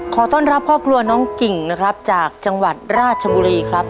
ขอต้อนรับครอบครัวน้องกิ่งนะครับจากจังหวัดราชบุรีครับ